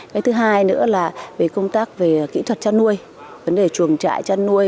cái thứ hai nữa là về công tác về kỹ thuật chăn nuôi vấn đề chuồng trại chăn nuôi